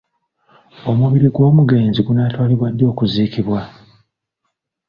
Omubiri gw'omugenzi gunaatwalibwa ddi okuziikibwa?